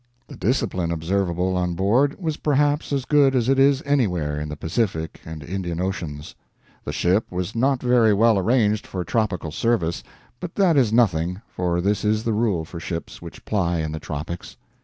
The discipline observable on board was perhaps as good as it is anywhere in the Pacific and Indian Oceans. The ship was not very well arranged for tropical service; but that is nothing, for this is the rule for ships which ply in the tropics.